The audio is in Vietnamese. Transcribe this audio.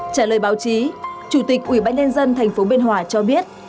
trả lời báo chí chủ tịch ủy banh đền dân thành phố bên hòa cho biết